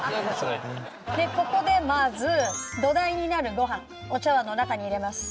ここでまず土台になるごはんお茶碗の中に入れます。